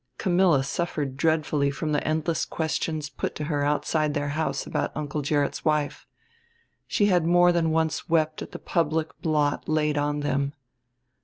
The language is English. Camilla suffered dreadfully from the endless questions put to her outside their house about Uncle Gerrit's wife. She had more than once wept at the public blot laid on them.